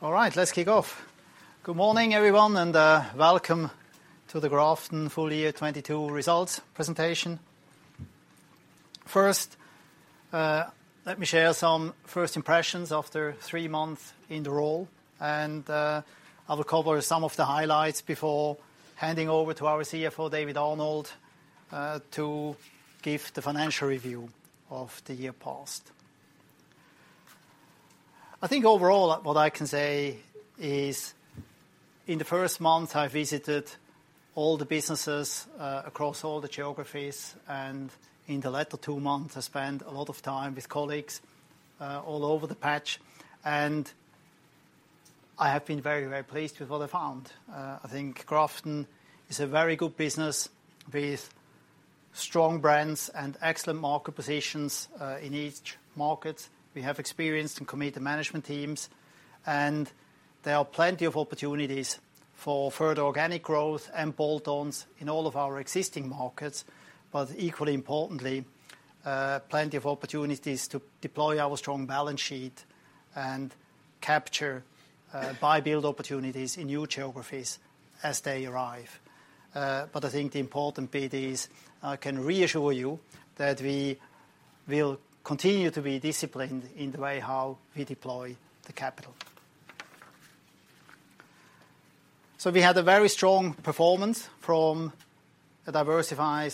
All right, let's kick off. Good morning, everyone, and welcome to the Grafton Full Year 2022 results presentation. First, let me share some first impressions after three months in the role, and I will cover some of the highlights before handing over to our CFO David Arnold, to give the financial review of the year past. I think overall what I can say is in the first month I visited all the businesses, across all the geographies, and in the latter two months I spent a lot of time with colleagues, all over the patch. I have been very, very pleased with what I found. I think Grafton is a very good business with strong brands and excellent market positions, in each market. We have experienced and committed management teams, there are plenty of opportunities for further organic growth and bolt-ons in all of our existing markets. Equally importantly, plenty of opportunities to deploy our strong balance sheet and capture buy-build opportunities in new geographies as they arrive. I think the important bit is I can reassure you that we will continue to be disciplined in the way how we deploy the capital. We had a very strong performance from a diversified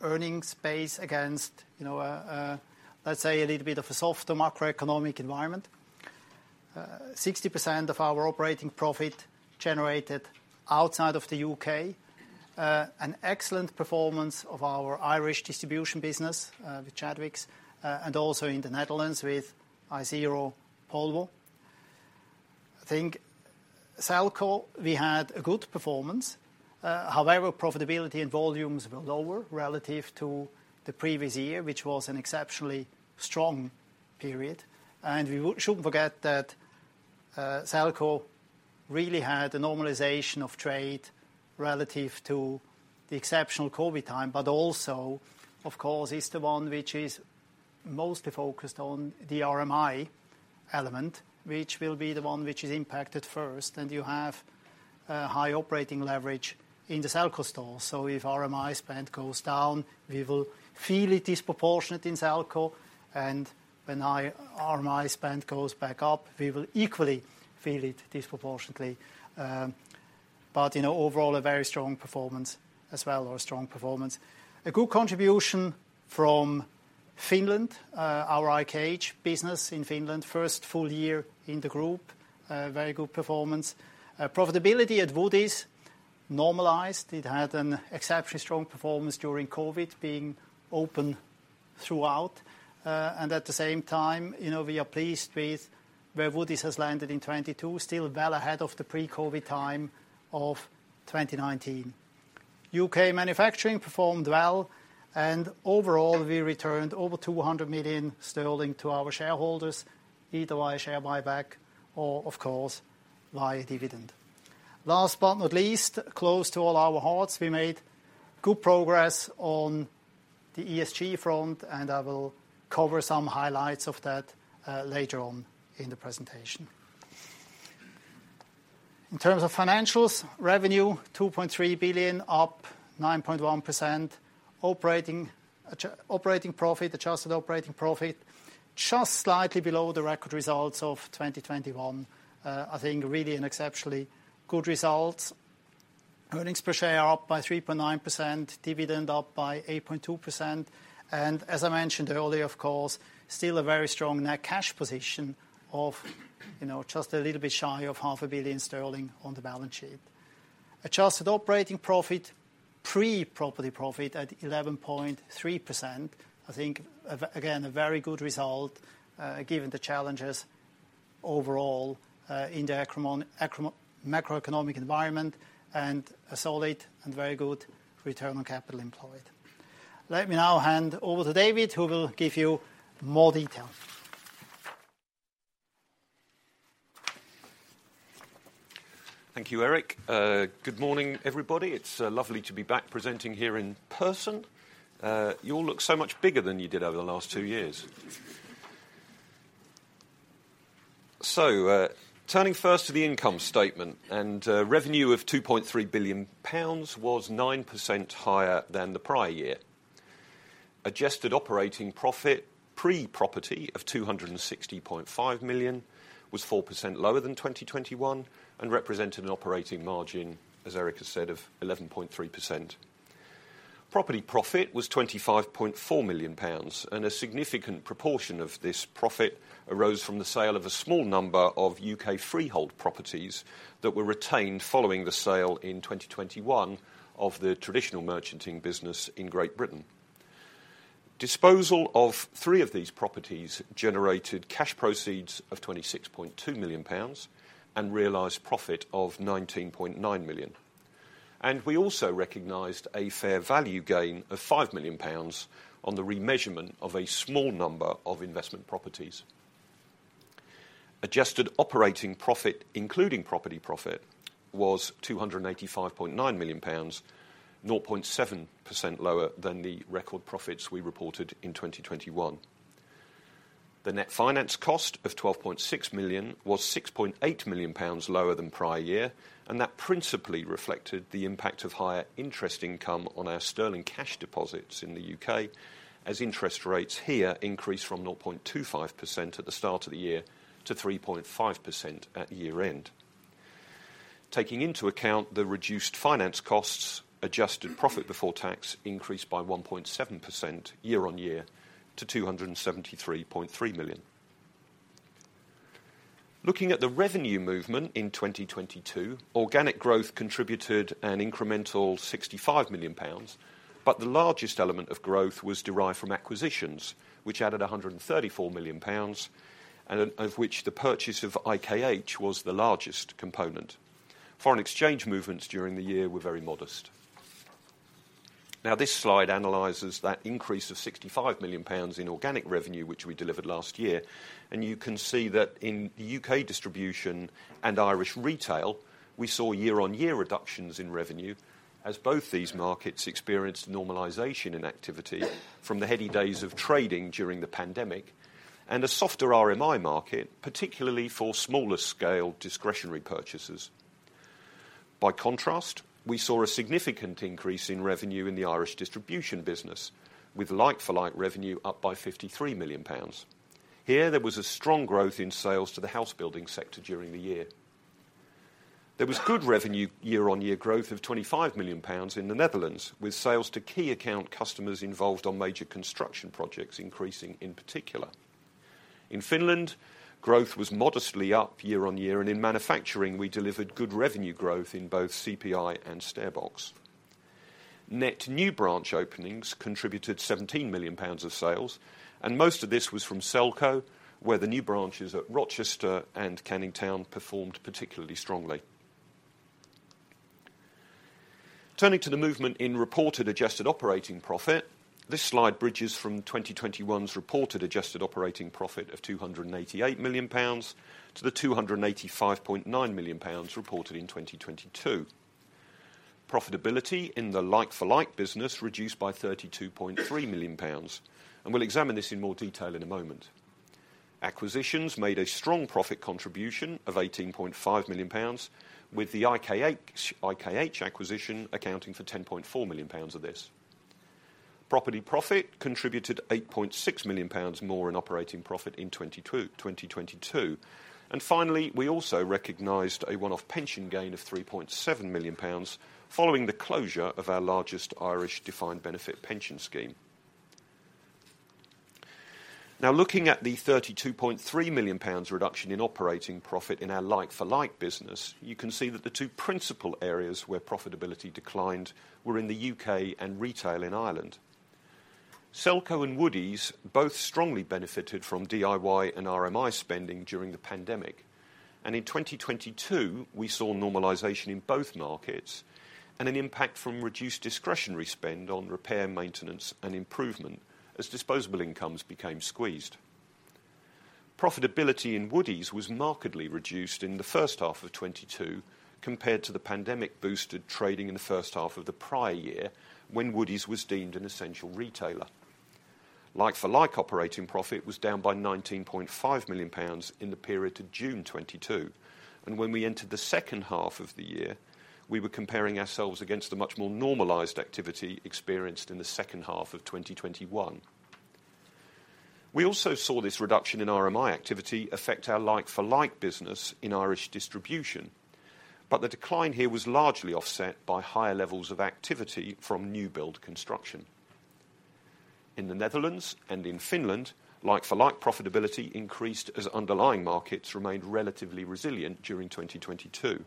earnings base against, you know, let's say a little bit of a softer macroeconomic environment. 60% of our operating profit generated outside of the U.K. an excellent performance of our Irish Distribution business with Chadwicks and also in the Netherlands with Isero. I think Selco we had a good performance. However, profitability and volumes were lower relative to the previous year, which was an exceptionally strong period. We shouldn't forget that Selco really had a normalization of trade relative to the exceptional COVID time, but also, of course, is the one which is mostly focused on the RMI element, which will be the one which is impacted first. You have high operating leverage in the Selco store. So if RMI spend goes down, we will feel it disproportionate in Selco. When RMI spend goes back up, we will equally feel it disproportionately. You know, overall, a very strong performance as well or a strong performance. A good contribution from Finland, our IKH business in Finland. First full year in the group, a very good performance. Profitability at Woodie's normalized. It had an exceptionally strong performance during COVID being open throughout. You know, we are pleased with where Woodie's has landed in 2022, still well ahead of the pre-COVID time of 2019. UK manufacturing performed well and overall we returned over 200 million sterling to our shareholders, either via share buyback or of course via dividend. Last but not least, close to all our hearts, we made good progress on the ESG front. I will cover some highlights of that later on in the presentation. In terms of financials, revenue 2.3 billion, up 9.1%. Operating profit, adjusted operating profit, just slightly below the record results of 2021. I think really an exceptionally good result. Earnings per share are up by 3.9%, dividend up by 8.2% and as I mentioned earlier of course, still a very strong net cash position of, you know, just a little bit shy of half a billion GBP on the balance sheet. Adjusted operating profit, pre-property profit at 11.3%. I think again, a very good result, given the challenges overall, in the macroeconomic environment and a solid and very good return on capital employed. Let me now hand over to David, who will give you more details. Thank you, Eric. Good morning, everybody. It's lovely to be back presenting here in person. You all look so much bigger than you did over the last two years. Turning first to the income statement, revenue of GBP 2.3 billion was 9% higher than the prior year. Adjusted operating profit pre property of 260.5 million was 4% lower than 2021 and represented an operating margin, as Eric has said, of 11.3%. Property profit was 25.4 million pounds, and a significant proportion of this profit arose from the sale of a small number of U.K. freehold properties that were retained following the sale in 2021 of the traditional merchanting business in Great Britain. Disposal of three of these properties generated cash proceeds of 26.2 million pounds and realized profit of 19.9 million. We also recognized a fair value gain of 5 million pounds on the remeasurement of a small number of investment properties. Adjusted operating profit, including property profit, was 285.9 million pounds, 0.7% lower than the record profits we reported in 2021. The net finance cost of 12.6 million was 6.8 million pounds lower than prior year, that principally reflected the impact of higher interest income on our sterling cash deposits in the U.K., as interest rates here increased from 0.25% at the start of the year to 3.5% at year-end. Taking into account the reduced finance costs, adjusted profit before tax increased by 1.7% year-over-year to 273.3 million. Looking at the revenue movement in 2022, organic growth contributed an incremental 65 million pounds. The largest element of growth was derived from acquisitions, which added 134 million pounds, and of which the purchase of IKH was the largest component. Foreign exchange movements during the year were very modest. This slide analyzes that increase of 65 million pounds in organic revenue, which we delivered last year. You can see that in the U.K. distribution and Irish retail, we saw year-on-year reductions in revenue as both these markets experienced normalization in activity from the heady days of trading during the pandemic, and a softer RMI market, particularly for smaller scale discretionary purchases. By contrast, we saw a significant increase in revenue in the Irish Distribution business with like-for-like revenue up by 53 million pounds. Here, there was a strong growth in sales to the house building sector during the year. There was good revenue year-on-year growth of 25 million pounds in the Netherlands, with sales to key account customers involved on major construction projects increasing in particular. In Finland, growth was modestly up year on year, and in manufacturing, we delivered good revenue growth in both CPI and StairBox. Net new branch openings contributed GBP 17 million of sales, and most of this was from Selco, where the new branches at Rochester and Canning Town performed particularly strongly. Turning to the movement in reported adjusted operating profit, this slide bridges from 2021's reported adjusted operating profit of 288 million pounds to the 285.9 million pounds reported in 2022. Profitability in the like-for-like business reduced by 32.3 million pounds. We'll examine this in more detail in a moment. Acquisitions made a strong profit contribution of GBP 18.5 million, with the IKH acquisition accounting for GBP 10.4 million of this. Property profit contributed GBP 8.6 million more in operating profit in 2022. Finally, we also recognized a one-off pension gain of 3.7 million pounds following the closure of our largest Irish defined benefit pension scheme. Now looking at the 32.3 million pounds reduction in operating profit in our like-for-like business, you can see that the two principal areas where profitability declined were in the U.K. and retail in Ireland. Selco and Woodie's both strongly benefited from DIY and RMI spending during the pandemic. In 2022, we saw normalization in both markets and an impact from reduced discretionary spend on repair, maintenance, and improvement as disposable incomes became squeezed. Profitability in Woodie's was markedly reduced in the first half of 2022 compared to the pandemic-boosted trading in the first half of the prior year when Woodie's was deemed an essential retailer. Like-for-like operating profit was down by 19.5 million pounds in the period to June 2022. When we entered the second half of the year, we were comparing ourselves against a much more normalized activity experienced in the second half of 2021. We also saw this reduction in RMI activity affect our like-for-like business in Irish Distribution. The decline here was largely offset by higher levels of activity from new build construction. In the Netherlands and in Finland, like-for-like profitability increased as underlying markets remained relatively resilient during 2022.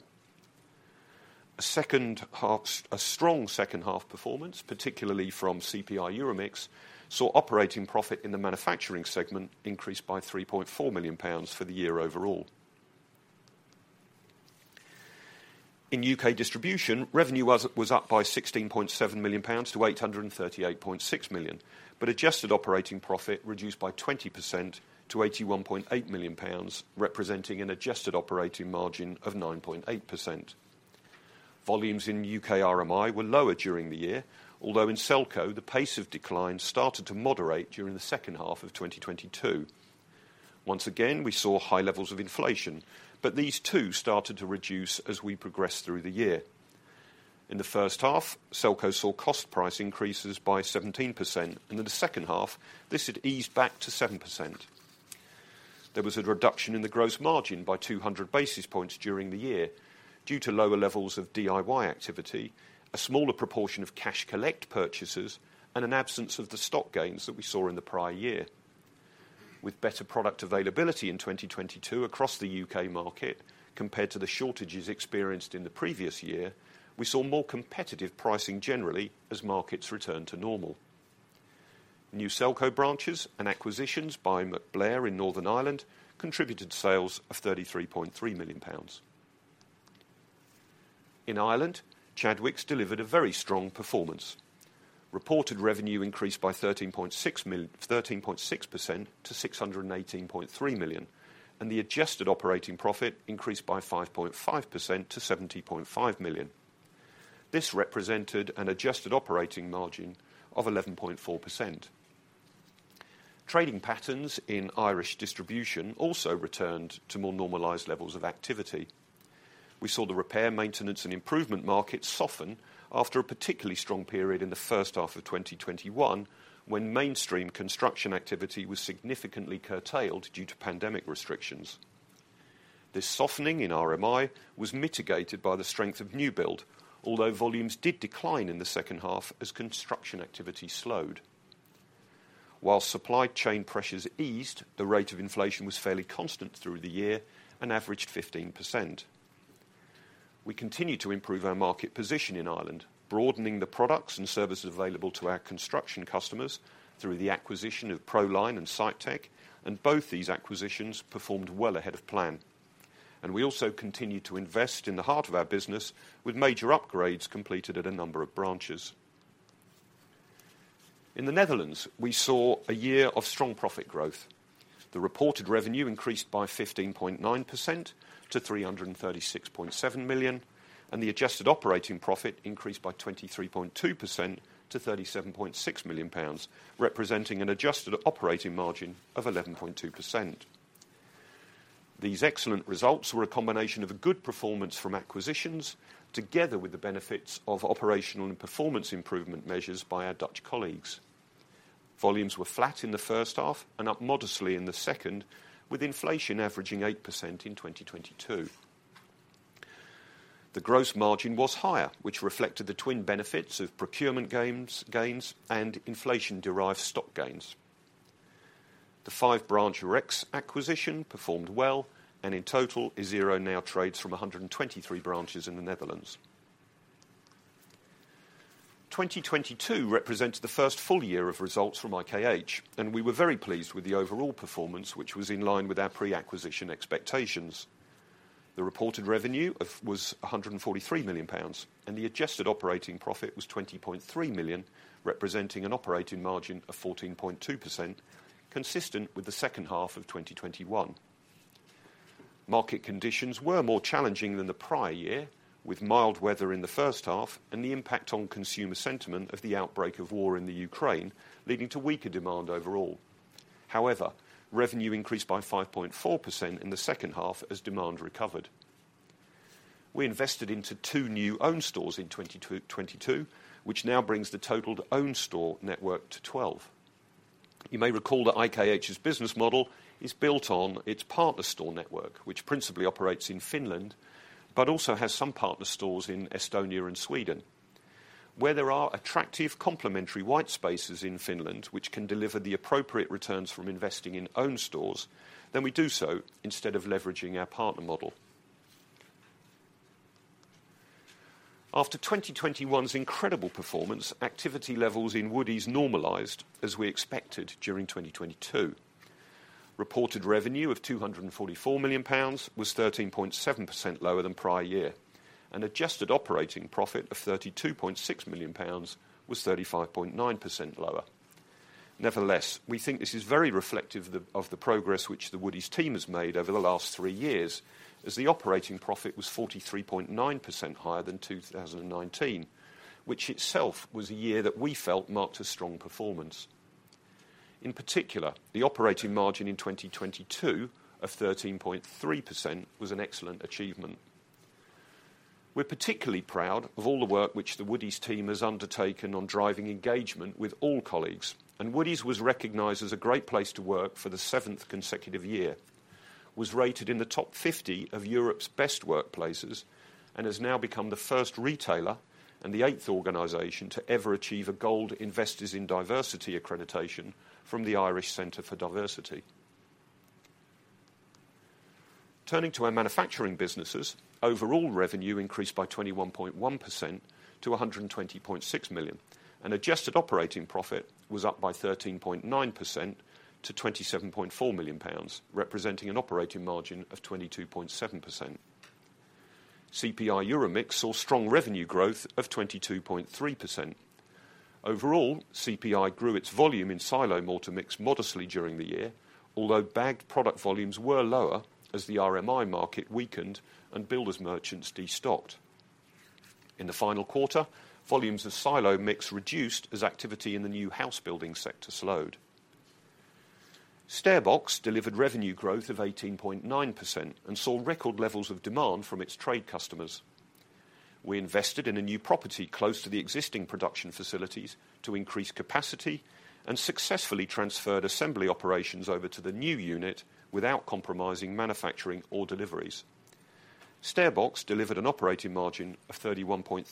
A strong second-half performance, particularly from CPI EuroMix, saw operating profit in the manufacturing segment increased by 3.4 million pounds for the year overall. In UK Distribution, revenue was up by GBP 16.7 million to 838.6 million, but adjusted operating profit reduced by 20% to 81.8 million pounds, representing an adjusted operating margin of 9.8%. Volumes in UK RMI were lower during the year, although in Selco, the pace of decline started to moderate during the second half of 2022. Once again, we saw high levels of inflation, these two started to reduce as we progressed through the year. In the first half, Selco saw cost price increases by 17%, and in the second half, this had eased back to 7%. There was a reduction in the gross margin by 200 basis points during the year due to lower levels of DIY activity, a smaller proportion of cash collect purchases, and an absence of the stock gains that we saw in the prior year. With better product availability in 2022 across the UK market compared to the shortages experienced in the previous year, we saw more competitive pricing generally as markets returned to normal. New Selco branches and acquisitions by MacBlair in Northern Ireland contributed sales of 33.3 million pounds. In Ireland, Chadwicks delivered a very strong performance. Reported revenue increased by 13.6% to 618.3 million. The adjusted operating profit increased by 5.5% to 70.5 million. This represented an adjusted operating margin of 11.4%. Trading patterns in Irish Distribution also returned to more normalized levels of activity. We saw the repair, maintenance, and improvement market soften after a particularly strong period in the first half of 2021, when mainstream construction activity was significantly curtailed due to pandemic restrictions. This softening in RMI was mitigated by the strength of new build, although volumes did decline in the second half as construction activity slowed. Supply chain pressures eased, the rate of inflation was fairly constant through the year and averaged 15%. We continue to improve our market position in Ireland, broadening the products and services available to our construction customers through the acquisition of Proline and Sitetech. Both these acquisitions performed well ahead of plan. We also continued to invest in the heart of our business with major upgrades completed at a number of branches. In the Netherlands, we saw a year of strong profit growth. The reported revenue increased by 15.9% to 336.7 million, the adjusted operating profit increased by 23.2% to 37.6 million pounds, representing an adjusted operating margin of 11.2%. These excellent results were a combination of good performance from acquisitions together with the benefits of operational and performance improvement measures by our Dutch colleagues. Volumes were flat in the first half and up modestly in the second, with inflation averaging 8% in 2022. The gross margin was higher, which reflected the twin benefits of procurement gains and inflation-derived stock gains. The five-branch Rex acquisition performed well, and in total, Isero now trades from 123 branches in the Netherlands. 2022 represents the first full year of results from IKH. We were very pleased with the overall performance, which was in line with our pre-acquisition expectations. The reported revenue was GBP 143 million, and the adjusted operating profit was GBP 20.3 million, representing an operating margin of 14.2%, consistent with the second half of 2021. Market conditions were more challenging than the prior year, with mild weather in the first half and the impact on consumer sentiment of the outbreak of war in the Ukraine, leading to weaker demand overall. Revenue increased by 5.4% in the second half as demand recovered. We invested into two new own stores in 2022, which now brings the total own store network to 12. You may recall that IKH's business model is built on its partner store network, which principally operates in Finland, but also has some partner stores in Estonia and Sweden. Where there are attractive complementary white spaces in Finland, which can deliver the appropriate returns from investing in own stores, then we do so instead of leveraging our partner model. After 2021's incredible performance, activity levels in Woodie's normalized as we expected during 2022. Reported revenue of 244 million pounds was 13.7% lower than prior year, and adjusted operating profit of GBP 32.6 million was 35.9% lower. Nevertheless, we think this is very reflective of the, of the progress which the Woodie's team has made over the last three years, as the operating profit was 43.9% higher than 2019, which itself was a year that we felt marked a strong performance. In particular, the operating margin in 2022 of 13.3% was an excellent achievement. We're particularly proud of all the work which the Woodie's team has undertaken on driving engagement with all colleagues. Woodie's was recognized as a great place to work for the seventh consecutive year, was rated in the top 50 of Europe's best workplaces, and has now become the first retailer and the eighth organization to ever achieve a Investors in Diversity Gold accreditation from the Irish Centre for Diversity. Turning to our manufacturing businesses, overall revenue increased by 21.1% to 120.6 million. Adjusted operating profit was up by 13.9% to 27.4 million pounds, representing an operating margin of 22.7%. CPI EuroMix saw strong revenue growth of 22.3%. Overall, CPI grew its volume in silo mortar mix modestly during the year, although bagged product volumes were lower as the RMI market weakened and builders merchants destocked. In the final quarter, volumes of silo mix reduced as activity in the new house building sector slowed. StairBox delivered revenue growth of 18.9% and saw record levels of demand from its trade customers. We invested in a new property close to the existing production facilities to increase capacity and successfully transferred assembly operations over to the new unit without compromising manufacturing or deliveries. StairBox delivered an operating margin of 31.3%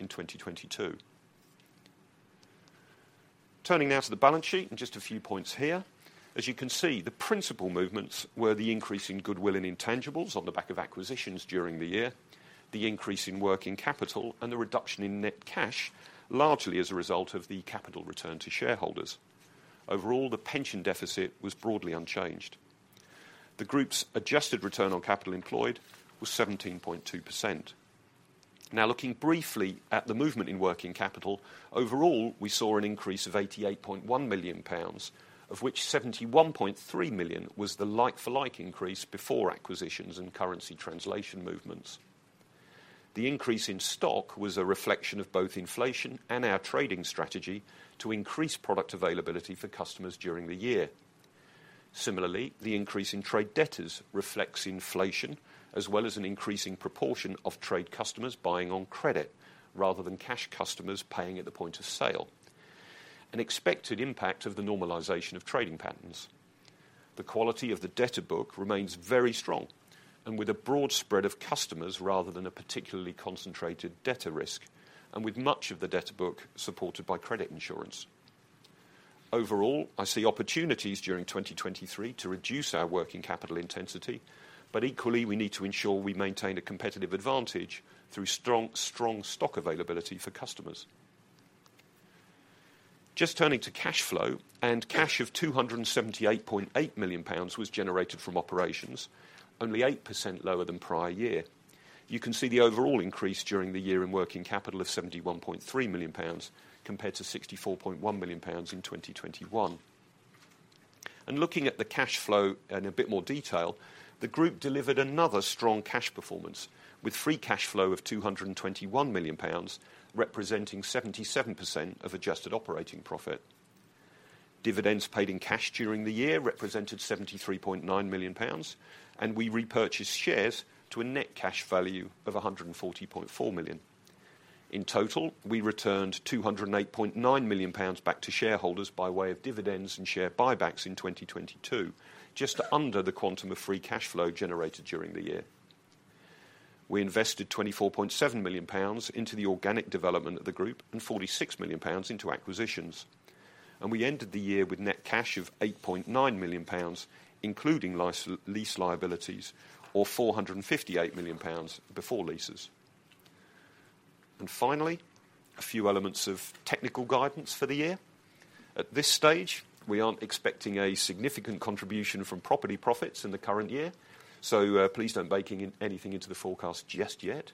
in 2022. Turning now to the balance sheet and just a few points here. As you can see, the principal movements were the increase in goodwill and intangibles on the back of acquisitions during the year, the increase in working capital, and the reduction in net cash, largely as a result of the capital return to shareholders. Overall, the pension deficit was broadly unchanged. The group's adjusted return on capital employed was 17.2%. Now looking briefly at the movement in working capital, overall, we saw an increase of 88.1 million pounds, of which 71.3 million was the like-for-like increase before acquisitions and currency translation movements. The increase in stock was a reflection of both inflation and our trading strategy to increase product availability for customers during the year. Similarly, the increase in trade debtors reflects inflation as well as an increasing proportion of trade customers buying on credit rather than cash customers paying at the point of sale, an expected impact of the normalization of trading patterns. The quality of the debtor book remains very strong and with a broad spread of customers rather than a particularly concentrated debtor risk, and with much of the debtor book supported by credit insurance. Overall, I see opportunities during 2023 to reduce our working capital intensity. Equally, we need to ensure we maintain a competitive advantage through strong stock availability for customers. Just turning to cash flow. Cash of 278.8 million pounds was generated from operations, only 8% lower than prior year. You can see the overall increase during the year in working capital of 71.3 million pounds compared to 64.1 million pounds in 2021. Looking at the cash flow in a bit more detail, the group delivered another strong cash performance with free cash flow of 221 million pounds, representing 77% of adjusted operating profit. Dividends paid in cash during the year represented GBP 73.9 million. We repurchased shares to a net cash value of GBP 140.4 million. In total, we returned GBP 208.9 million back to shareholders by way of dividends and share buybacks in 2022, just under the quantum of free cash flow generated during the year. We invested 24.7 million pounds into the organic development of the group and 46 million pounds into acquisitions. We ended the year with net cash of 8.9 million pounds, including lease liabilities or 458 million pounds before leases. Finally, a few elements of technical guidance for the year. At this stage, we aren't expecting a significant contribution from property profits in the current year, please don't bake anything into the forecast just yet.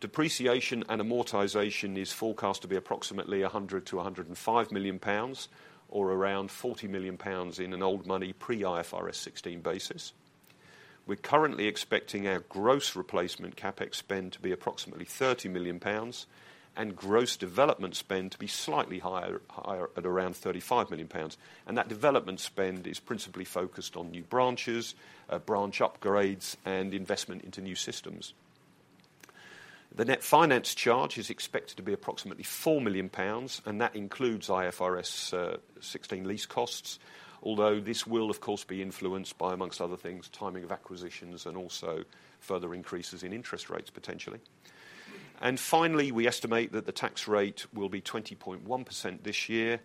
Depreciation and amortization is forecast to be approximately 100 million-105 million pounds or around 40 million pounds in an old money pre-IFRS 16 basis. We're currently expecting our gross replacement CapEx spend to be approximately 30 million pounds and gross development spend to be slightly higher at around 35 million pounds. That development spend is principally focused on new branches, branch upgrades, and investment into new systems. The net finance charge is expected to be approximately 4 million pounds, that includes IFRS 16 lease costs. Although this will of course be influenced by, amongst other things, timing of acquisitions and also further increases in interest rates potentially. Finally, we estimate that the tax rate will be 20.1% this year.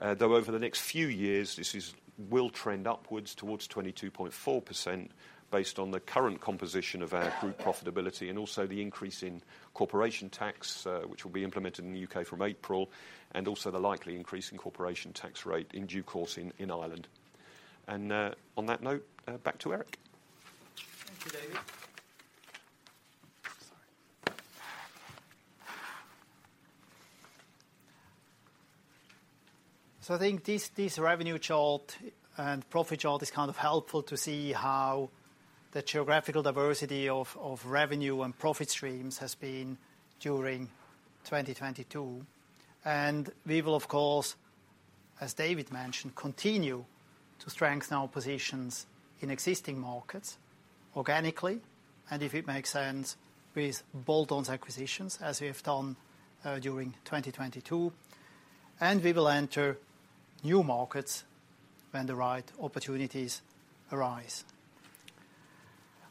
Though over the next few years, this will trend upwards towards 22.4% based on the current composition of our group profitability and also the increase in corporation tax, which will be implemented in the U.K. from April, and also the likely increase in corporation tax rate in due course in Ireland. On that note, back to Eric. Thank you, David. Sorry. I think this revenue chart and profit chart is kind of helpful to see how the geographical diversity of revenue and profit streams has been during 2022. We will, of course, as David mentioned, continue to strengthen our positions in existing markets organically. If it makes sense with bolt-ons acquisitions, as we have done during 2022. We will enter new markets when the right opportunities arise.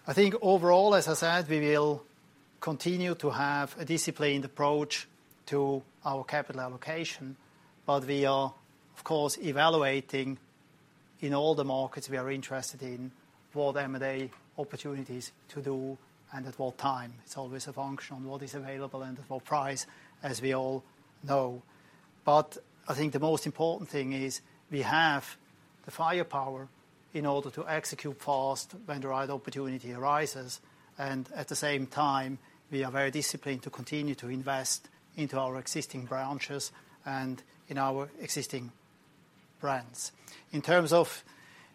I think overall, as I said, we will continue to have a disciplined approach to our capital allocation. We are of course evaluating in all the markets we are interested in for M&A opportunities to do and at what time. It's always a function on what is available and for price, as we all know. I think the most important thing is we have the firepower in order to execute fast when the right opportunity arises. At the same time, we are very disciplined to continue to invest into our existing branches and in our existing brands. In terms of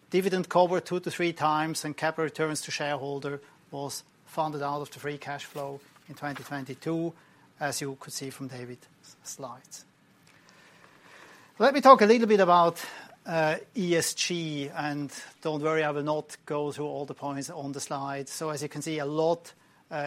dividend cover 2x-3x and capital returns to shareholder was funded out of the free cash flow in 2022, as you could see from David's slides. Let me talk a little bit about ESG, don't worry, I will not go through all the points on the slide. As you can see, a lot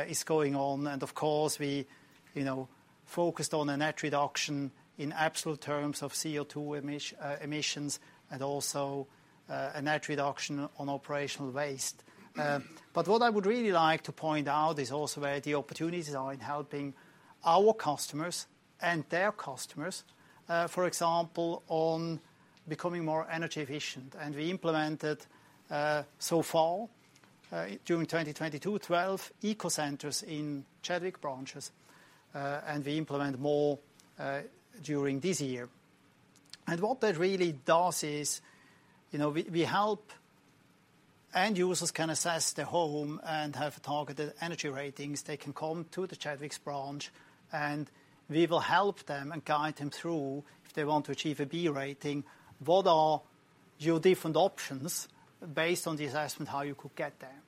is going on. Of course we, you know, focused on a net reduction in absolute terms of CO₂ emissions and also a net reduction on operational waste. What I would really like to point out is also where the opportunities are in helping our customers and their customers, for example, on becoming more energy efficient. We implemented, so far, during 2022, 12 ECO Centres in Chadwicks branches. We implement more during this year. What that really does is, you know, we help end users can assess their home and have targeted energy ratings. They can come to the Chadwicks branch and we will help them and guide them through if they want to achieve a B rating, what are your different options based on the assessment, how you could get there.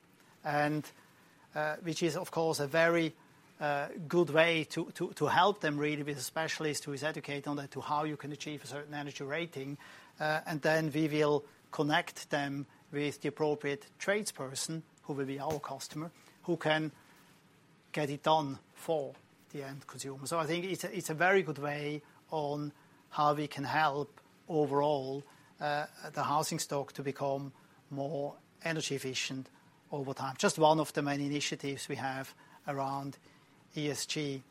Which is of course a very good way to help them really with a specialist who is educated on to how you can achieve a certain energy rating. Then we will connect them with the appropriate tradesperson, who will be our customer, who can get it done for the end consumer. I think it's a very good way on how we can help overall, the housing stock to become more energy efficient over time. Just one of the many initiatives we have around ESG.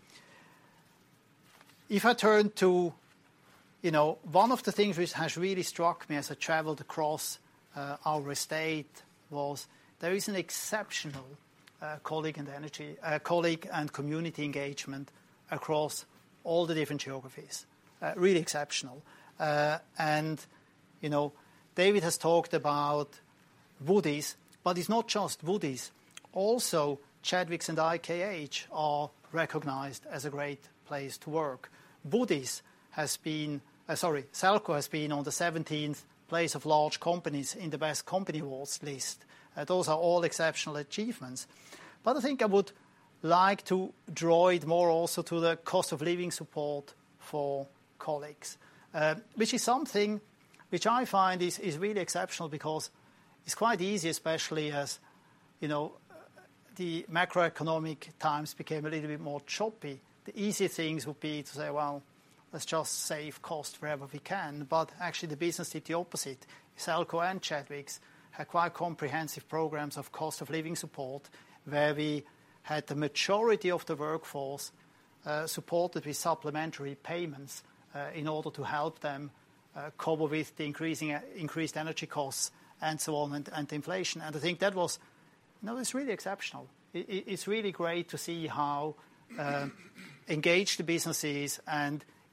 If I turn to, you know, one of the things which has really struck me as I traveled across, our estate was there is an exceptional colleague and community engagement across all the different geographies. Really exceptional. You know, David has talked about Woodie's, but it's not just Woodie's. Also, Chadwicks and IKH are recognized as a great place to work. Woodie's has been Sorry, Selco has been on the 17th place of large companies in the Best Company awards list. Those are all exceptional achievements. I think I would like to draw it more also to the cost of living support for colleagues. Which is something which I find is really exceptional because it's quite easy, especially as, you know, the macroeconomic times became a little bit more choppy. The easy things would be to say, "Well, let's just save cost wherever we can." Actually the business did the opposite. Selco and Chadwicks have quite comprehensive programs of cost of living support, where we had the majority of the workforce supported with supplementary payments in order to help them cope with the increased energy costs and so on and inflation. I think that was, no, it's really exceptional. It's really great to see how engaged the business is.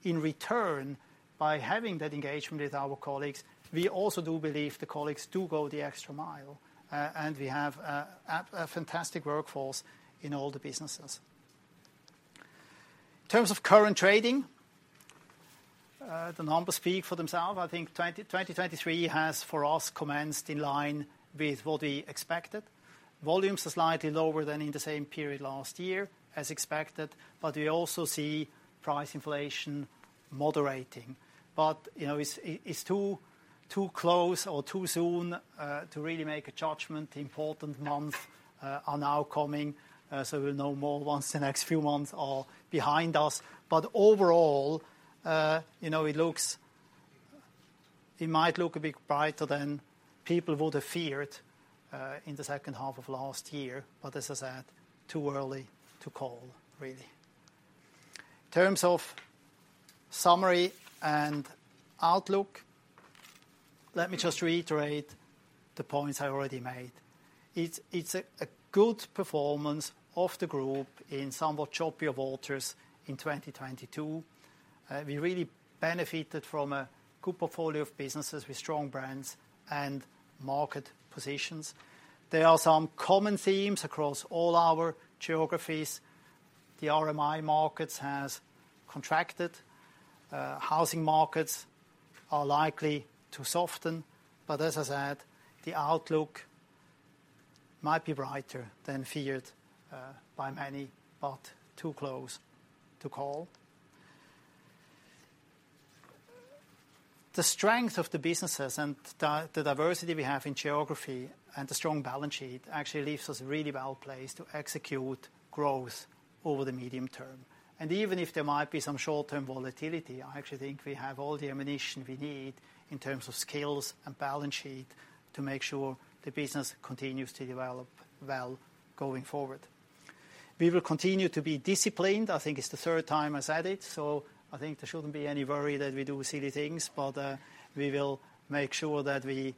In return, by having that engagement with our colleagues, we also do believe the colleagues do go the extra mile. We have a fantastic workforce in all the businesses. In terms of current trading, the numbers speak for themselves. I think 2023 has for us commenced in line with what we expected. Volumes are slightly lower than in the same period last year as expected, but we also see price inflation moderating. You know, it's too close or too soon to really make a judgment. The important months are now coming, so we'll know more once the next few months are behind us. Overall, you know, it looks... It might look a bit brighter than people would have feared in the second half of last year. As I said, too early to call really. In terms of summary and outlook, let me just reiterate the points I already made. It's a good performance of the group in somewhat choppier waters in 2022. We really benefited from a good portfolio of businesses with strong brands and market positions. There are some common themes across all our geographies. The RMI markets has contracted. Housing markets are likely to soften. As I said, the outlook might be brighter than feared by many, but too close to call. The strength of the businesses and the diversity we have in geography and the strong balance sheet actually leaves us really well placed to execute growth over the medium term. Even if there might be some short-term volatility, I actually think we have all the ammunition we need in terms of skills and balance sheet to make sure the business continues to develop well going forward. We will continue to be disciplined. I think it's the third time I said it, I think there shouldn't be any worry that we do silly things. We will make sure that we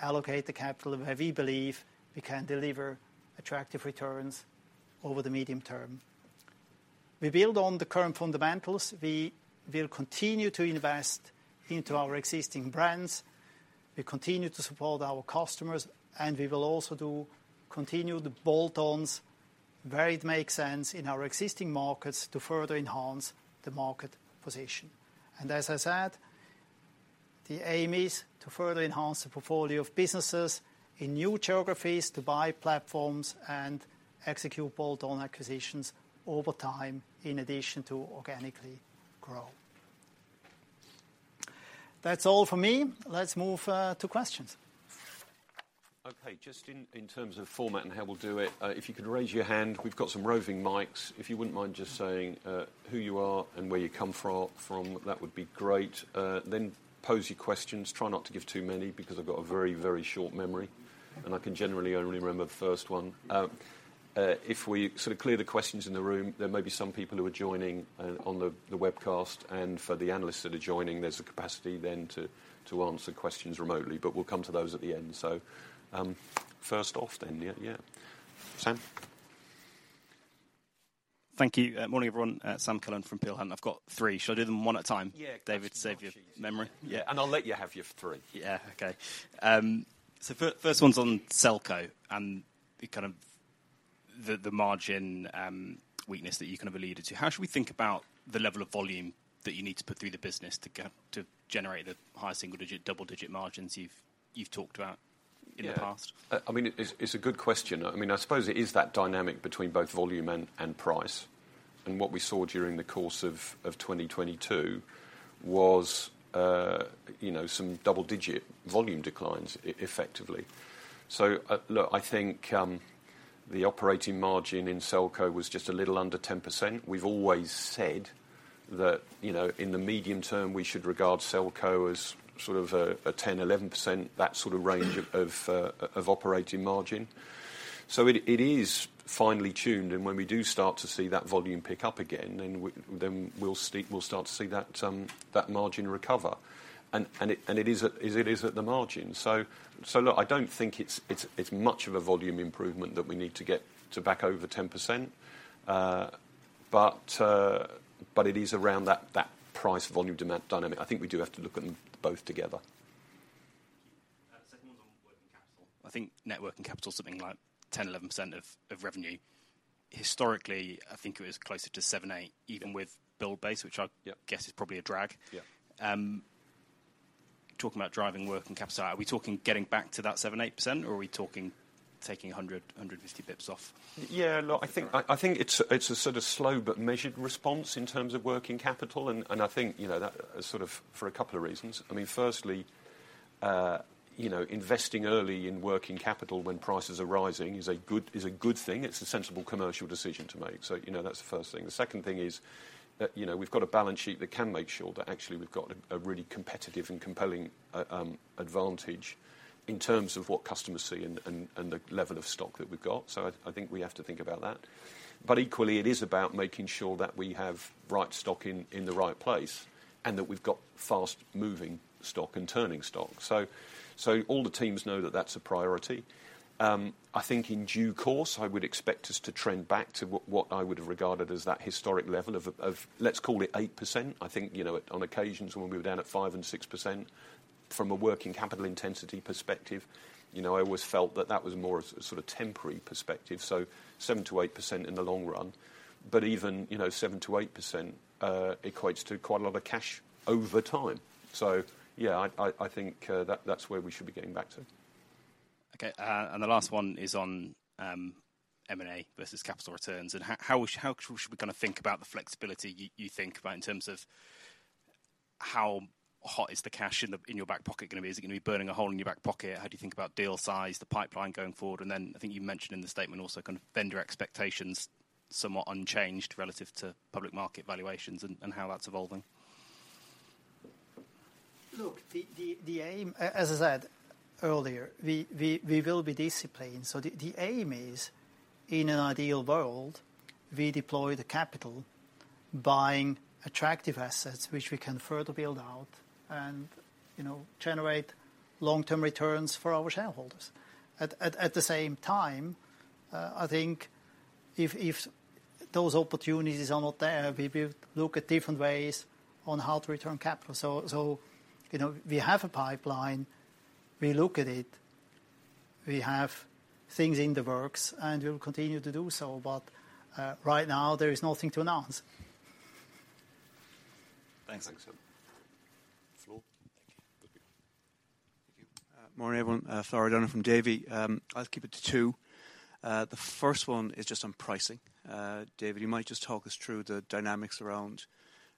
allocate the capital where we believe we can deliver attractive returns over the medium term. We build on the current fundamentals. We will continue to invest into our existing brands. We continue to support our customers, we will also do continued bolt-ons where it makes sense in our existing markets to further enhance the market position. As I said, the aim is to further enhance the portfolio of businesses in new geographies, to buy platforms and execute bolt-on acquisitions over time in addition to organically grow. That's all for me. Let's move to questions. Okay. Just in terms of format and how we'll do it, if you could raise your hand, we've got some roving mics. If you wouldn't mind just saying who you are and where you come from, that would be great. Pose your questions. Try not to give too many, because I've got a very, very short memory, and I can generally only remember the first one. If we sort of clear the questions in the room, there may be some people who are joining on the webcast. For the analysts that are joining, there's a capacity then to answer questions remotely. We'll come to those at the end. First off then. Yeah, yeah. Sam? Thank you. Morning, everyone. Sam Cullen from Peel Hunt. I've got three. Should I do them one at a time? Yeah David, to save your memory? Yeah. I'll let you have your three. Yeah. Okay. First one's on Selco and the kind of, the margin weakness that you kind of alluded to. How should we think about the level of volume that you need to put through the business to generate the high single digit, double digit margins you've talked about in the past? Yeah. I mean, it's a good question. I mean, I suppose it is that dynamic between both volume and price. What we saw during the course of 2022 was, you know, some double-digit volume declines effectively. Look, I think, the operating margin in Selco was just a little under 10%. We've always said that, you know, in the medium term, we should regard Selco as sort of a 10%-11%, that sort of range of operating margin. It, it is finely tuned, and when we do start to see that volume pick up again, then we'll start to see that margin recover. It is at the margin. Look, I don't think it's much of a volume improvement that we need to get to back over 10%. It is around that price volume demand dynamic. I think we do have to look at them both together. Second one's on working capital. I think net working capital is something like 10%, 11% of revenue. Historically, I think it was closer to 7%, 8% even with Buildbase. Yeah guess is probably a drag. Yeah. talking about driving working capital, are we talking getting back to that 7%, 8%? Are we talking taking 100, 150 basis points off? Look, I think it's a sort of slow but measured response in terms of working capital and I think, you know, that sort of for a couple of reasons. I mean, firstly, you know, investing early in working capital when prices are rising is a good thing. It's a sensible commercial decision to make. You know, that's the first thing. The second thing is that, you know, we've got a balance sheet that can make sure that actually we've got a really competitive and compelling advantage in terms of what customers see and the level of stock that we've got. I think we have to think about that. Equally, it is about making sure that we have right stock in the right place and that we've got fast moving stock and turning stock. All the teams know that that's a priority. I think in due course, I would expect us to trend back to what I would have regarded as that historic level of, let's call it 8%. I think, you know, on occasions when we were down at 5% and 6% from a working capital intensity perspective, you know, I always felt that that was more of sort of temporary perspective, so 7%-8% in the long run. Even, you know, 7%-8% equates to quite a lot of cash over time. Yeah, I think, that's where we should be getting back to. Okay. The last one is on M&A versus capital returns. How should we kinda think about the flexibility you think about in terms of how hot is the cash in your back pocket gonna be? Is it gonna be burning a hole in your back pocket? How do you think about deal size, the pipeline going forward? I think you mentioned in the statement also kind of vendor expectations somewhat unchanged relative to public market valuations and how that's evolving. Look, the aim, as I said earlier, we will be disciplined. The aim is, in an ideal world, we deploy the capital buying attractive assets which we can further build out and, you know, generate long-term returns for our shareholders. At the same time, I think if those opportunities are not there, we will look at different ways on how to return capital. You know, we have a pipeline, we look at it, we have things in the works, and we'll continue to do so. Right now there is nothing to announce. Thanks. Thanks. Flor? Thank you. Good. Thank you. morning, everyone. Flor O'Donoghue from Davy. I'll keep it to two. The first one is just on pricing. David, you might just talk us through the dynamics around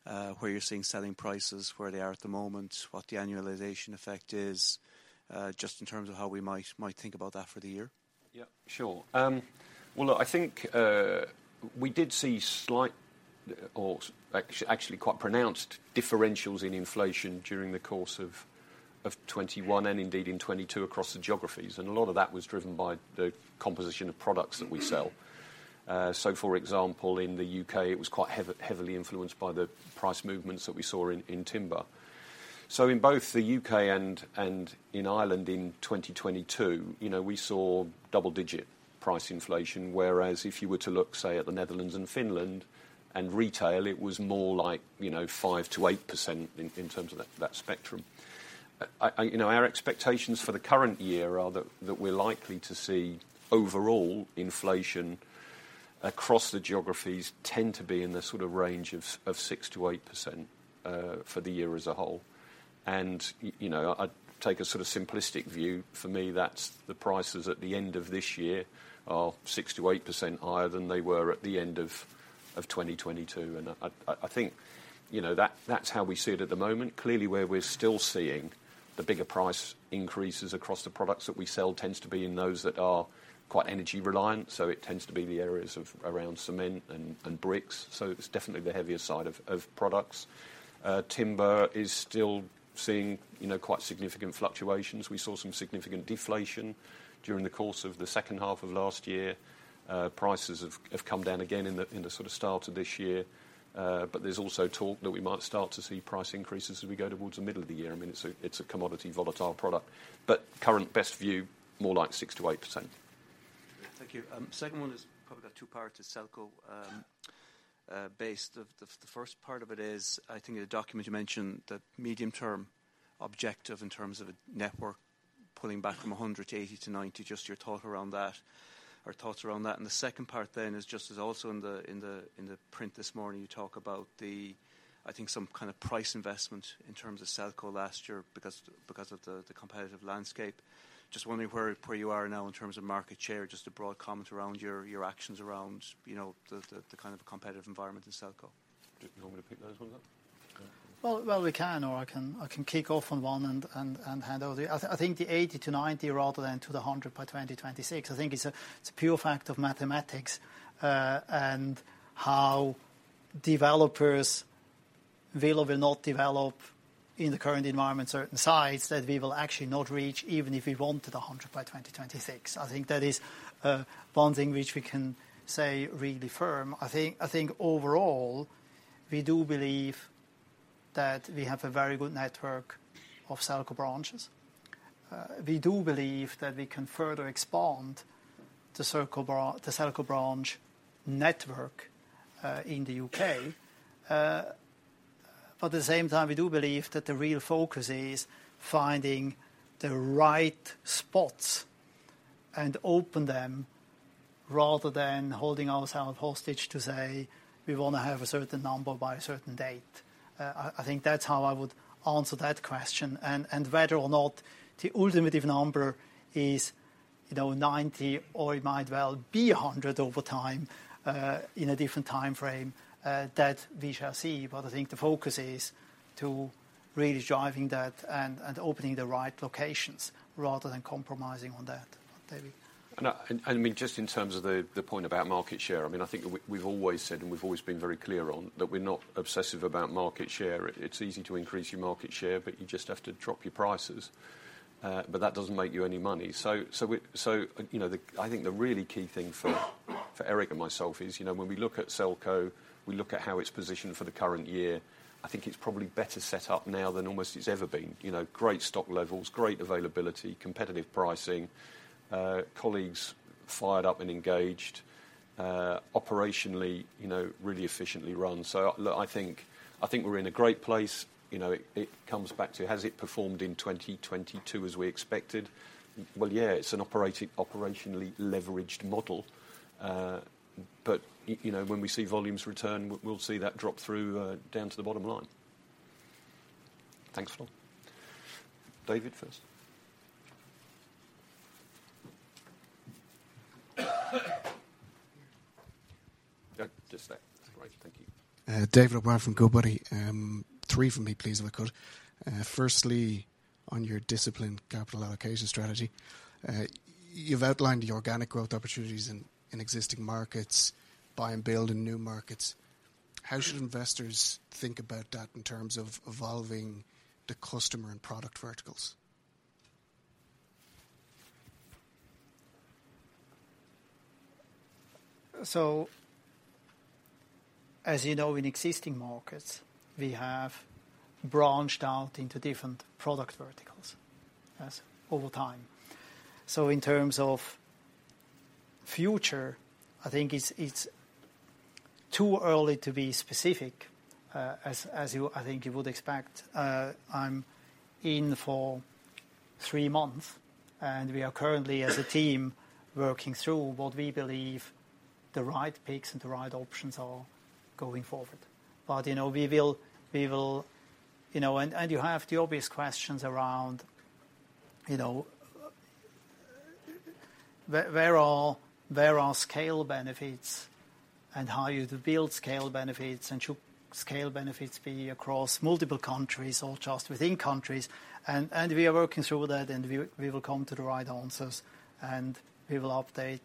where you're seeing selling prices, where they are at the moment, what the annualization effect is, just in terms of how we might think about that for the year. Yeah, sure. Well, look, I think, we did see slight or actually quite pronounced differentials in inflation during the course of 2021 and indeed in 2022 across the geographies. A lot of that was driven by the composition of products that we sell. So for example, in the U.K., it was quite heavily influenced by the price movements that we saw in timber. In both the U.K. and in Ireland in 2022, you know, we saw double digit price inflation, whereas if you were to look, say, at the Netherlands and Finland and retail, it was more like, you know, 5%-8% in terms of that spectrum. I, you know, our expectations for the current year are that we're likely to see overall inflation across the geographies tend to be in the sort of range of 6%-8% for the year as a whole. You know, I take a sort of simplistic view. For me, that's the prices at the end of this year are 6%-8% higher than they were at the end of 2022. I think, you know, that's how we see it at the moment. Clearly, where we're still seeing the bigger price increases across the products that we sell tends to be in those that are quite energy reliant. It tends to be the areas of around cement and bricks. It's definitely the heavier side of products. Timber is still seeing, you know, quite significant fluctuations. We saw some significant deflation during the course of the second half of last year. Prices have come down again in the sort of start of this year. There's also talk that we might start to see price increases as we go towards the middle of the year. I mean, it's a commodity volatile product. Current best view, more like 6%-8%. Thank you. second one is probably got two parts. It's Selco, based. The first part of it is, I think in the document you mentioned that medium term objective in terms of a network pulling back from 100 to 80 to 90. Just your thought around that or thoughts around that. The second part then is just as also in the, in the, in the print this morning you talk about the, I think, some kind of price investment in terms of Selco last year because of the competitive landscape. Just wondering where you are now in terms of market share. Just a broad comment around your actions around, you know, the, the kind of competitive environment in Selco. Do you want me to pick those ones up? Well, we can, or I can kick off on one and hand over. I think the 80-90 rather than to the 100 by 2026, I think it's a pure fact of mathematics, and how developers will or will not develop in the current environment certain size that we will actually not reach even if we wanted a 100 by 2026. I think that is one thing which we can say really firm. I think overall we do believe that we have a very good network of Selco branches. We do believe that we can further expand the Selco branch network in the U.K.. But at the same time, we do believe that the real focus is finding the right spots and open them rather than holding ourselves hostage to say we wanna have a certain number by a certain date. I think that's how I would answer that question. Whether or not the ultimate number is, you know, 90 or it might well be 100 over time, in a different timeframe, that we shall see. I think the focus is to really driving that and opening the right locations rather than compromising on that. David. I, and I mean, just in terms of the point about market share, I mean, I think we've always said, and we've always been very clear on, that we're not obsessive about market share. It's easy to increase your market share, but you just have to drop your prices. That doesn't make you any money. You know, the, I think the really key thing for Eric and myself is, you know, when we look at Selco, we look at how it's positioned for the current year. I think it's probably better set up now than almost it's ever been. You know, great stock levels, great availability, competitive pricing, colleagues fired up and engaged. Operationally, you know, really efficiently run. Look, I think we're in a great place. You know, it comes back to has it performed in 2022 as we expected? Well, yeah, it's an operationally leveraged model. You know, when we see volumes return, we'll see that drop through down to the bottom line. Thanks, Flor. David first. Yeah, just there. That's great. Thank you. David O'Brien from Goodbody. Three from me, please, if I could. Firstly, on your disciplined capital allocation strategy. You've outlined the organic growth opportunities in existing markets, buy and build in new markets. How should investors think about that in terms of evolving the customer and product verticals? As you know, in existing markets, we have branched out into different product verticals as over time. In terms of future, I think it's too early to be specific, as you, I think you would expect. I'm in for three month, and we are currently as a team working through what we believe the right picks and the right options are going forward. You know, we will, you know. You have the obvious questions around, you know, where are scale benefits and how you build scale benefits, and should scale benefits be across multiple countries or just within countries? We are working through that, and we will come to the right answers, and we will update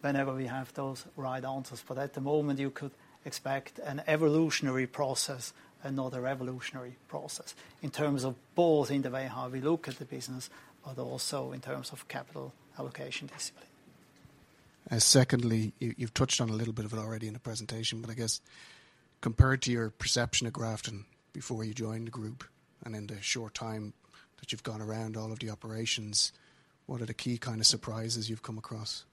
whenever we have those right answers. At the moment, you could expect an evolutionary process and not a revolutionary process in terms of both in the way how we look at the business, but also in terms of capital allocation discipline. secondly, you've touched on a little bit of it already in the presentation, but I guess compared to your perception of Grafton before you joined the group and in the short time that you've gone around all of the operations, what are the key kind of surprises you've come across?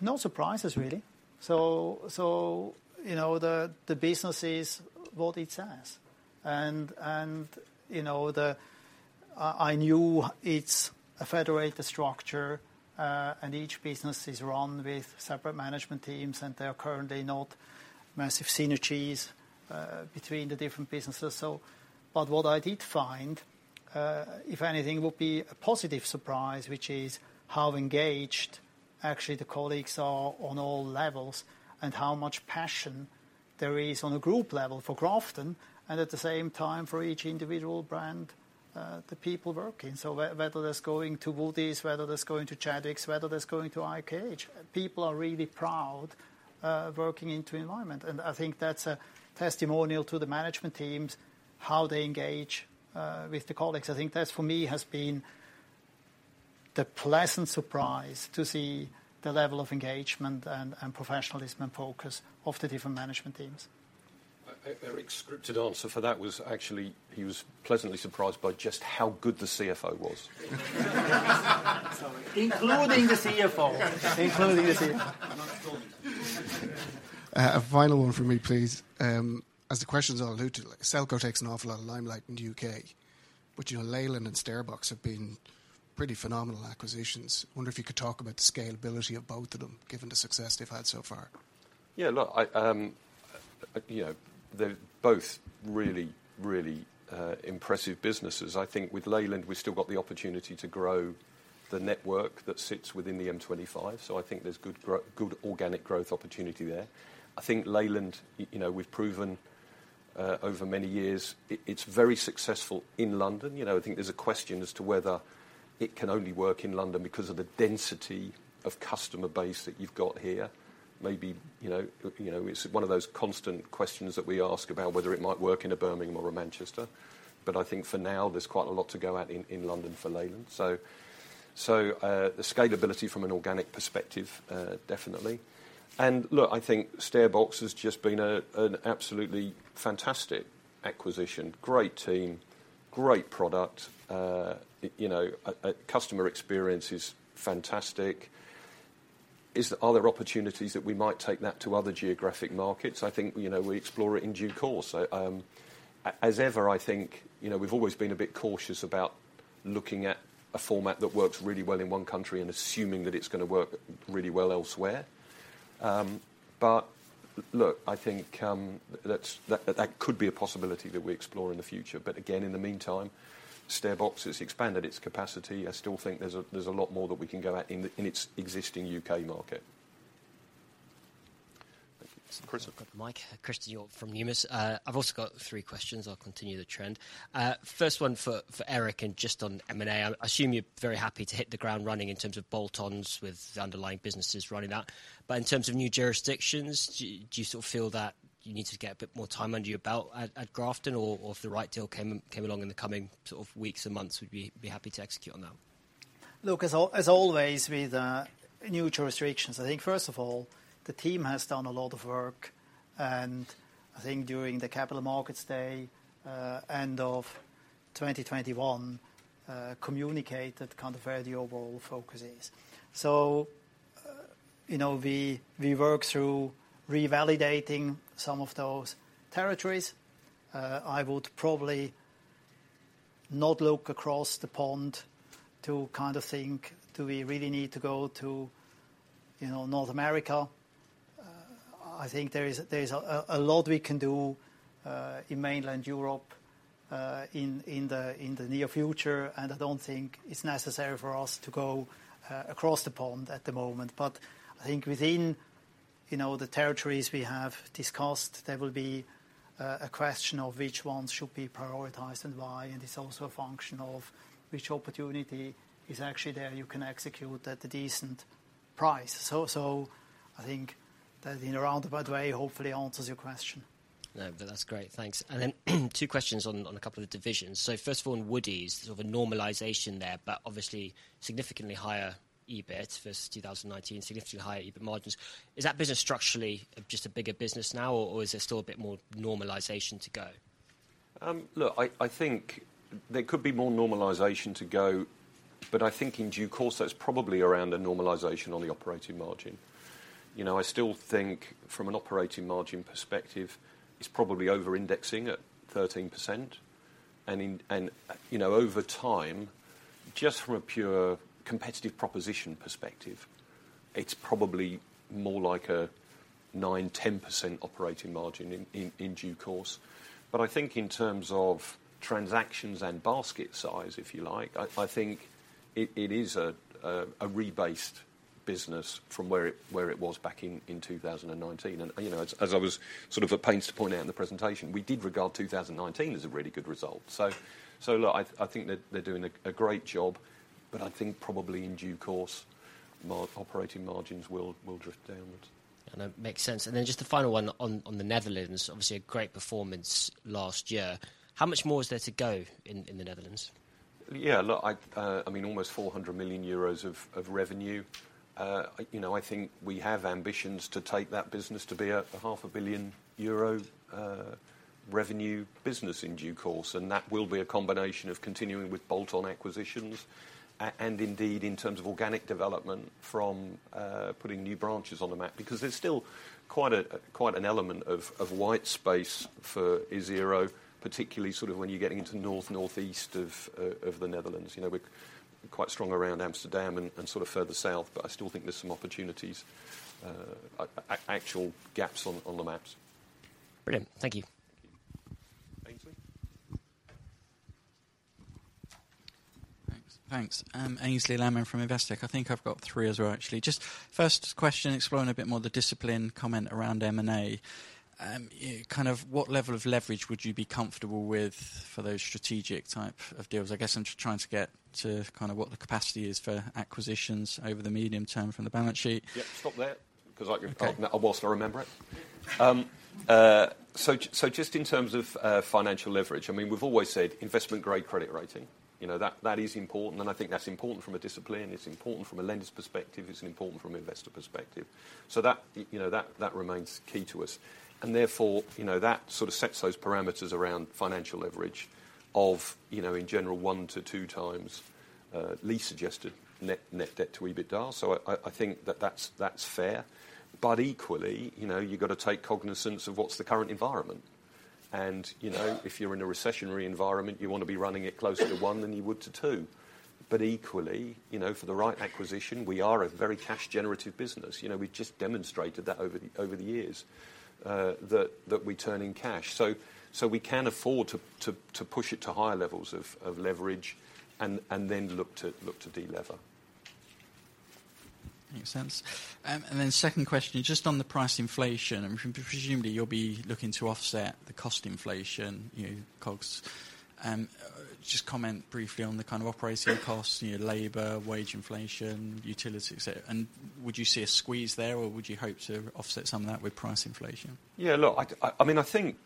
No surprises really. You know, the business is what it says and you know, I knew it's a federated structure, and each business is run with separate management teams, and there are currently not massive synergies between the different businesses. What I did find, if anything, would be a positive surprise, which is how engaged actually the colleagues are on all levels and how much passion there is on a group level for Grafton and at the same time for each individual brand, the people working. Whether that's going to Woodie's, whether that's going to Chadwicks, whether that's going to IKH, people are really proud working into environment. I think that's a testimonial to the management teams, how they engage with the colleagues. I think that, for me, has been the pleasant surprise to see the level of engagement and professionalism and focus of the different management teams. Eric's scripted answer for that was actually he was pleasantly surprised by just how good the CFO was. Sorry. Including the CFO. Including the [CEO]. A final one for me, please. As the questions all allude to, like, Selco takes an awful lot of limelight in the U.K.. You know, Leyland and StairBox have been pretty phenomenal acquisitions. Wonder if you could talk about the scalability of both of them, given the success they've had so far. Yeah, look, I, you know, they're both really, really, impressive businesses. I think with Leyland, we've still got the opportunity to grow the network that sits within the M25. I think there's good organic growth opportunity there. I think Leyland, you know, we've proven over many years, it's very successful in London. You know, I think there's a question as to whether it can only work in London because of the density of customer base that you've got here. Maybe, you know, look, you know, it's one of those constant questions that we ask about whether it might work in a Birmingham or Manchester. I think for now, there's quite a lot to go at in London for Leyland. The scalability from an organic perspective, definitely. Look, I think StairBox has just been an absolutely fantastic acquisition. Great team, great product. You know, customer experience is fantastic. Are there opportunities that we might take that to other geographic markets? I think, you know, we explore it in due course. As ever, I think, you know, we've always been a bit cautious about looking at a format that works really well in one country and assuming that it's gonna work really well elsewhere. Look, I think that could be a possibility that we explore in the future. Again, in the meantime, StairBox has expanded its capacity. I still think there's a lot more that we can go at in its existing UK market. Thank you. Chris. I've got the mic. Chris Millington from Numis. I've also got three questions. I'll continue the trend. First one for Eric and just on M&A. I assume you're very happy to hit the ground running in terms of add-ons with the underlying businesses running that. In terms of new jurisdictions, do you sort of feel that you need to get a bit more time under your belt at Grafton? Or if the right deal came along in the coming sort of weeks and months, would be happy to execute on that? Look, as always, with new jurisdictions, I think first of all, the team has done a lot of work. I think during the capital markets day, end of 2021, communicated kind of where the overall focus is. You know, we work through revalidating some of those territories. I would probably not look across the pond to kind of think, do we really need to go to, you know, North America? I think there is a lot we can do in mainland Europe in the near future, and I don't think it's necessary for us to go across the pond at the moment. I think within, you know, the territories we have discussed, there will be a question of which ones should be prioritized and why. It's also a function of which opportunity is actually there you can execute at a decent price. I think that in a roundabout way, hopefully answers your question. That's great. Thanks. Two questions on a couple of divisions. First of all, in Woodie's, sort of a normalization there, but obviously significantly higher EBIT for 2019, significantly higher EBIT margins. Is that business structurally just a bigger business now, or is there still a bit more normalization to go? Look, I think there could be more normalization to go. I think in due course, that's probably around a normalization on the operating margin. You know, I still think from an operating margin perspective, it's probably over-indexing at 13%. You know, over time, just from a pure competitive proposition perspective, it's probably more like a 9%, 10% operating margin in, in due course. I think in terms of transactions and basket size, if you like, I think it is a rebased business from where it, where it was back in 2019. You know, as I was sort of at pains to point out in the presentation, we did regard 2019 as a really good result. look, I think that they're doing a great job, but I think probably in due course, operating margins will drift downwards. That makes sense. Then just the final one on the Netherlands, obviously a great performance last year. How much more is there to go in the Netherlands? Yeah, look, I mean, almost 400 million euros of revenue. You know, I think we have ambitions to take that business to be a half a billion EUR revenue business in due course. That will be a combination of continuing with bolt-on acquisitions and indeed, in terms of organic development from putting new branches on the map. There's still quite a, quite an element of white space for Isero, particularly sort of when you're getting into North, Northeast of the Netherlands. You know, we're quite strong around Amsterdam and sort of further south, but I still think there's some opportunities, actual gaps on the maps. Brilliant. Thank you. Thank you. Aynsley? Thanks. Aynsley Lammin from Investec. I think I've got three as well, actually. Just first question, exploring a bit more the discipline comment around M&A. kind of what level of leverage would you be comfortable with for those strategic type of deals? I guess I'm just trying to get to kind of what the capacity is for acquisitions over the medium term from the balance sheet. Yeah. Stop there because I can- Okay. I'll whilst I remember it. So just in terms of financial leverage, I mean we've always said investment grade credit rating. You know, that is important, and I think that's important from a discipline, it's important from a lender's perspective, it's important from an investor perspective. That, you know, that remains key to us. Therefore, you know, that sort of sets those parameters around financial leverage of, you know, in general 1x-2x lease-adjusted net debt to EBITDA. I think that's fair. Equally, you know, you've got to take cognizance of what's the current environment. You know, if you're in a recessionary environment, you wanna be running it closer to 1x than you would to 2x. Equally, you know, for the right acquisition, we are a very cash generative business. You know, we've just demonstrated that over the years, that we turn in cash. We can afford to push it to higher levels of leverage and then look to de-lever. Makes sense. Second question, just on the price inflation, presumably you'll be looking to offset the cost inflation, you know, costs. Just comment briefly on the kind of operating costs, you know, labor, wage inflation, utilities. Would you see a squeeze there, or would you hope to offset some of that with price inflation? Yeah, look, I mean, I think,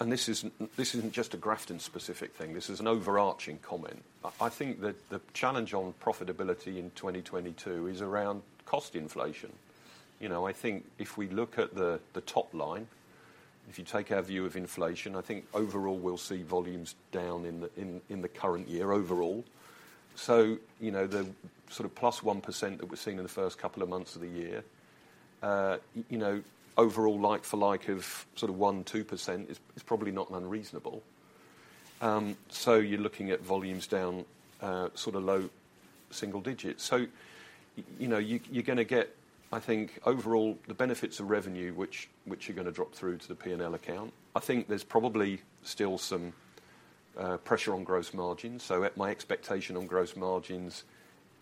and this isn't, this isn't just a Grafton specific thing, this is an overarching comment. I think that the challenge on profitability in 2022 is around cost inflation. You know, I think if we look at the top line, if you take our view of inflation, I think overall we'll see volumes down in the current year overall. You know, the sort of +1% that we're seeing in the first couple of months of the year, you know, overall like-for-like of sort of 1%-2% is probably not unreasonable. You're looking at volumes down, sort of low single digits. You're gonna get, I think, overall the benefits of revenue, which are gonna drop through to the P&L account. I think there's probably still some pressure on gross margins. At my expectation on gross margins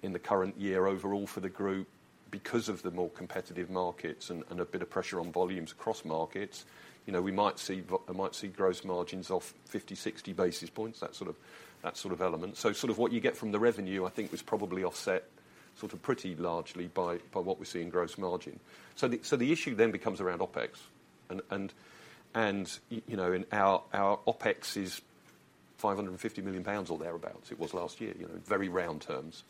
in the current year overall for the group, because of the more competitive markets and a bit of pressure on volumes across markets, you know, I might see gross margins off 50-60 basis points, that sort of element. Sort of what you get from the revenue I think was probably offset pretty largely by what we see in gross margin. The issue then becomes around OpEx. Our OpEx is 550 million pounds or thereabouts, it was last year. You know, very round terms.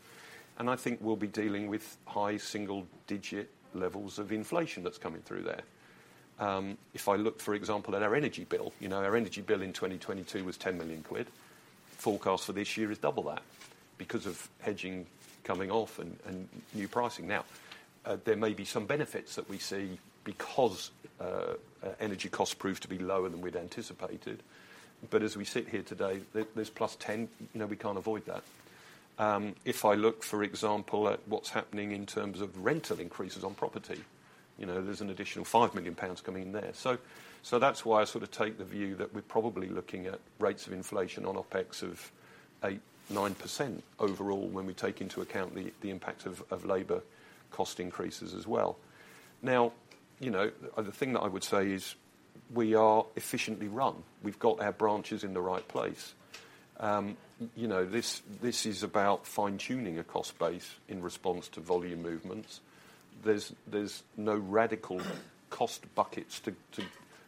I think we'll be dealing with high single-digit levels of inflation that's coming through there. If I look, for example, at our energy bill, you know, our energy bill in 2022 was 10 million quid. Forecast for this year is double that because of hedging coming off and new pricing. There may be some benefits that we see because energy costs prove to be lower than we'd anticipated. As we sit here today, there's +10 million. You know, we can't avoid that. If I look, for example, at what's happening in terms of rental increases on property, you know, there's an additional 5 million pounds coming in there. That's why I sort of take the view that we're probably looking at rates of inflation on OpEx of 8%-9% overall when we take into account the impact of labor cost increases as well. you know, the thing that I would say is we are efficiently run. We've got our branches in the right place. you know, this is about fine-tuning a cost base in response to volume movements. There's no radical cost buckets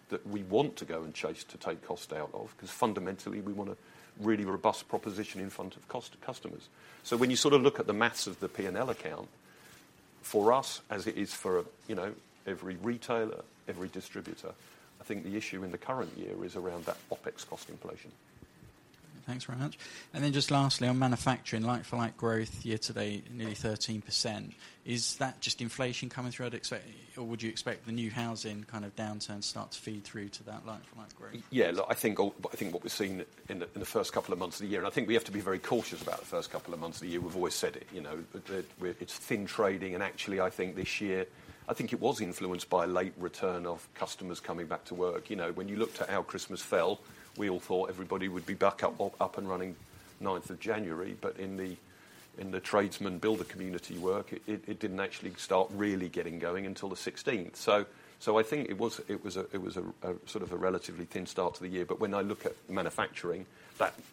that we want to go and chase to take cost out of, because fundamentally, we want a really robust proposition in front of customers. So when you sort of look at the math of the P&L account, for us, as it is for, you know, every retailer, every distributor, I think the issue in the current year is around that OpEx cost inflation. Thanks very much. Just lastly, on manufacturing, like-for-like growth year to date nearly 13%. Is that just inflation coming through, or would you expect the new housing kind of downturn start to feed through to that like-for-like growth? Yeah. Look, I think what we've seen in the first couple of months of the year, I think we have to be very cautious about the first couple of months of the year. We've always said it, you know, it's thin trading. Actually, I think this year, I think it was influenced by late return of customers coming back to work. You know, when you looked at how Christmas fell, we all thought everybody would be back up and running ninth of January. In the tradesman builder community work, it didn't actually start really getting going until the 16th. I think it was a sort of a relatively thin start to the year. When I look at manufacturing,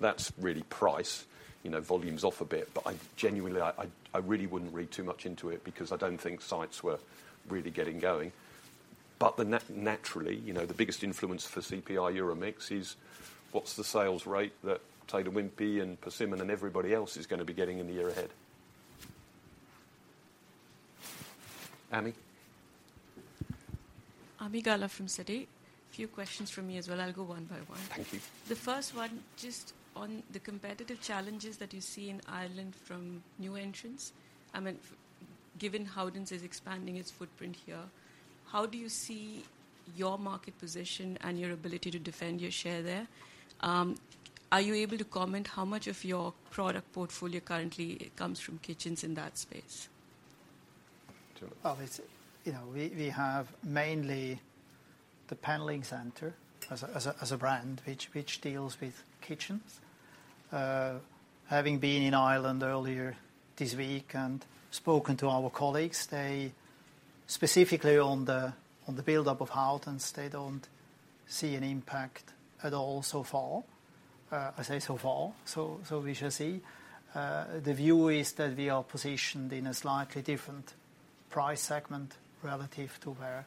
that's really price. You know, volume's off a bit. I genuinely, I really wouldn't read too much into it because I don't think sites were really getting going. Naturally, you know, the biggest influence for CPI EuroMix is what's the sales rate that Taylor Wimpey and Persimmon and everybody else is gonna be getting in the year ahead. Ami? Ami Galla from Citi. A few questions from me as well. I'll go one by one. Thank you. The first one, just on the competitive challenges that you see in Ireland from new entrants, I mean, given Howdens is expanding its footprint here, how do you see your market position and your ability to defend your share there? Are you able to comment how much of your product portfolio currently comes from kitchens in that space? Julien? Obviously, you know, we have mainly The Panelling Centre as a brand, which deals with kitchens. Having been in Ireland earlier this week and spoken to our colleagues, they specifically on the buildup of Howdens, they don't see an impact at all so far. I say so far, so we shall see. The view is that we are positioned in a slightly different price segment relative to where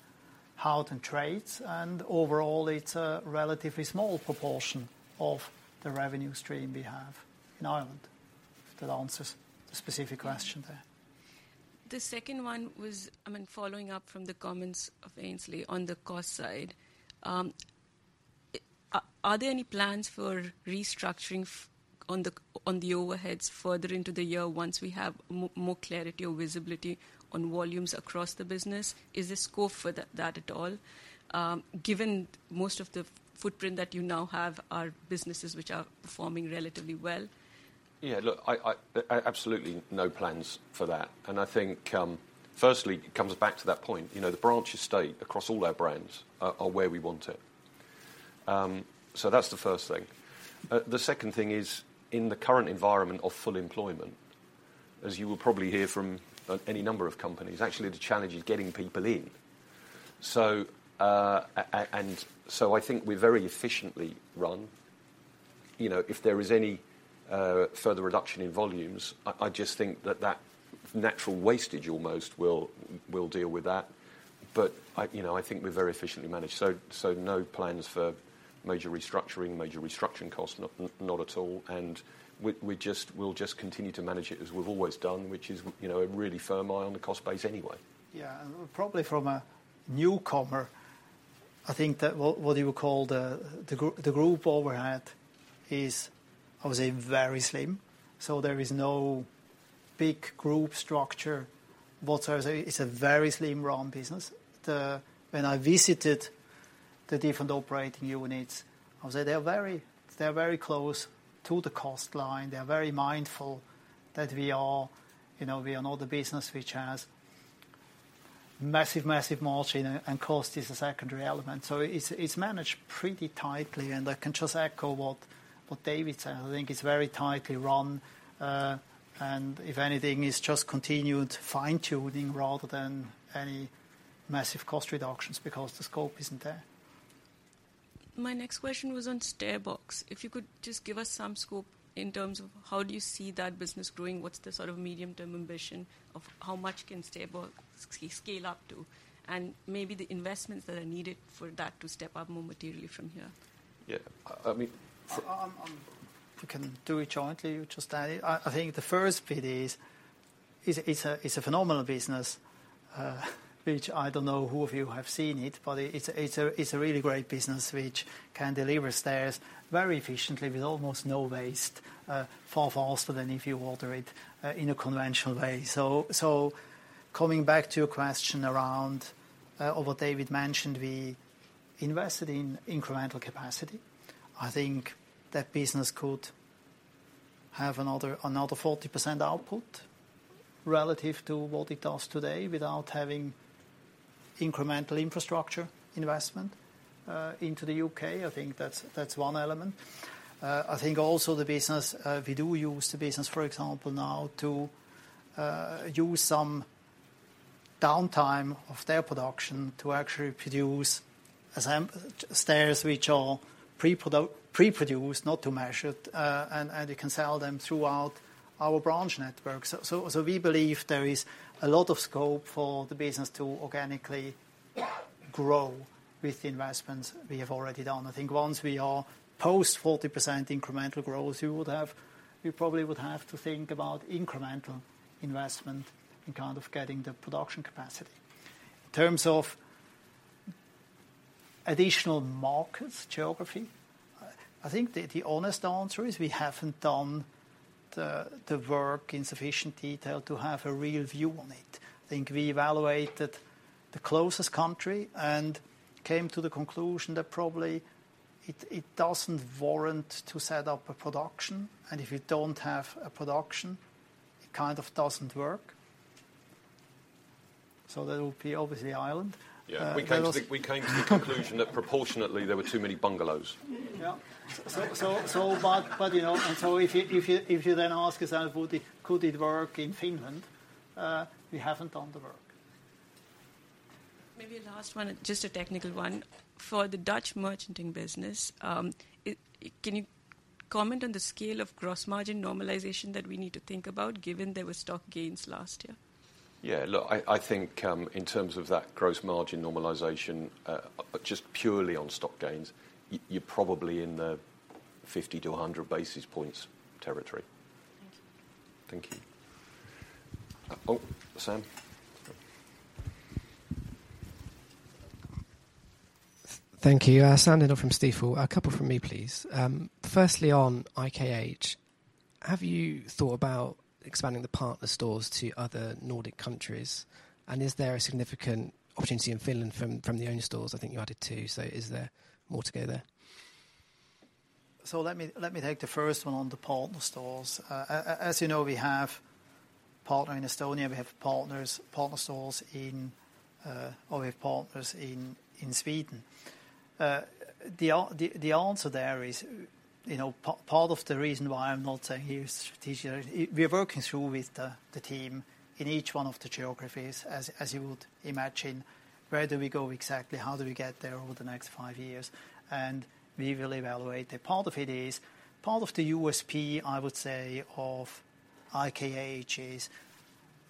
Howdens trades, and overall it's a relatively small proportion of the revenue stream we have in Ireland. If that answers the specific question there. The second one. Following up from the comments of Aynsley on the cost side. Are there any plans for restructuring on the overheads further into the year once we have more clarity or visibility on volumes across the business? Is this scope for that at all, given most of the footprint that you now have are businesses which are performing relatively well? Yeah. Look, I... absolutely no plans for that. I think, firstly it comes back to that point, you know, the branch estate across all our brands are where we want it. That's the first thing. The second thing is in the current environment of full employment, as you will probably hear from, any number of companies, actually the challenge is getting people in. I think we're very efficiently run. You know, if there is any further reduction in volumes, I just think that that natural wastage almost will deal with that. I, you know, I think we're very efficiently managed. no plans for major restructuring, major restructuring costs, not at all, and we just, we'll just continue to manage it as we've always done, which is, you know, a really firm eye on the cost base anyway. Yeah. Probably from a newcomer, I think that what you would call the group overhead is, I would say, very slim. There is no big group structure. What I would say, it's a very slim run business. When I visited the different operating units, I would say they're very close to the cost line. They're very mindful that we are, you know, we are not a business which has massive margin and cost is a secondary element. It's managed pretty tightly, and I can just echo what David said. I think it's very tightly run. If anything it's just continued fine-tuning rather than any massive cost reductions because the scope isn't there. My next question was on StairBox. If you could just give us some scope in terms of how do you see that business growing? What's the sort of medium-term ambition of how much can StairBox scale up to? Maybe the investments that are needed for that to step up more materially from here. Yeah. I mean, We can do it jointly. You just add it. I think the first bit is, it's a phenomenal business, which I don't know who of you have seen it, but it's a really great business which can deliver stairs very efficiently with almost no waste, far faster than if you order it in a conventional way. Coming back to your question around, what David mentioned, we invested in incremental capacity. I think that business could have another 40% output relative to what it does today without having incremental infrastructure investment, into the U.K.. I think that's one element. I think also the business, we do use the business, for example, now to use some downtime of their production to actually produce stairs which are preproduced, not to measured, and you can sell them throughout our branch network. We believe there is a lot of scope for the business to organically grow with the investments we have already done. I think once we are post 40% incremental growth, you would have, you probably would have to think about incremental investment in kind of getting the production capacity. In terms of additional markets, geography, I think the honest answer is we haven't done the work in sufficient detail to have a real view on it. I think we evaluated the closest country and came to the conclusion that probably it doesn't warrant to set up a production. If you don't have a production, it kind of doesn't work. That'll be obviously Ireland. Yeah. There was- We came to the conclusion that proportionately there were too many bungalows. Yeah. You know, if you then ask yourself would it, could it work in Finland, we haven't done the work. Maybe a last one, just a technical one. For the Dutch merchanting business, can you comment on the scale of gross margin normalization that we need to think about given there were stock gains last year? Yeah. Look, I think, in terms of that gross margin normalization, just purely on stock gains, you're probably in the 50 to 100 basis points territory. Thank you. Thank you. Oh, Sam. Thank you. Sam Dindol from Stifel. A couple from me, please. Firstly, on IKH, have you thought about expanding the partner stores to other Nordic countries? Is there a significant opportunity in Finland from the owned stores? I think you added two. Is there more to go there? Let me take the first one on the partner stores. As you know, we have partner in Estonia. We have partner stores in, or we have partners in Sweden. The answer there is, you know, part of the reason why I'm not saying here strategically, we are working through with the team in each one of the geographies, as you would imagine, where do we go exactly? How do we get there over the next five years? We will evaluate. Part of it is, part of the USP, I would say, of IKH is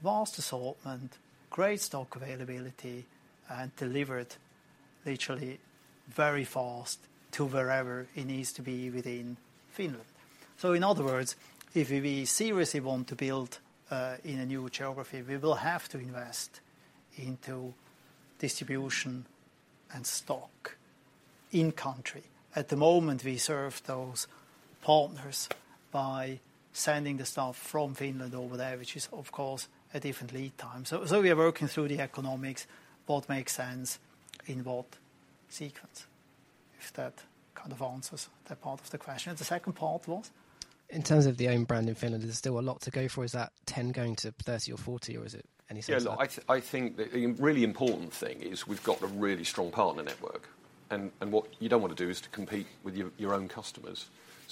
vast assortment, great stock availability, and delivered literally very fast to wherever it needs to be within Finland. In other words, if we seriously want to build in a new geography, we will have to invest into distribution and stock in country. At the moment, we serve those partners by sending the staff from Finland over there, which is, of course, a different lead time. We are working through the economics, what makes sense in what sequence. If that kind of answers that part of the question. The second part was? In terms of the own brand in Finland, is there still a lot to go for? Is that 10 going to 30 or 40, or is it any sense of that? Yeah. Look, I think the really important thing is we've got a really strong partner network. What you don't want to do is to compete with your own customers.